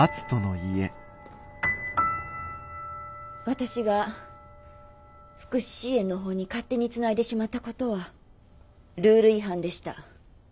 私が福祉支援の方に勝手につないでしまったことはルール違反でした。